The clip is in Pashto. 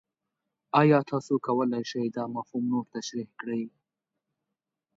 ایا تاسو کولی شئ دا مفهوم نور تشریح کړئ؟